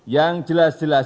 yang jelas jelas di lakukan